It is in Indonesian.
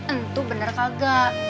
itu bener kagak